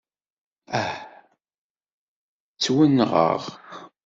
Ah! Ttwenɣeɣ!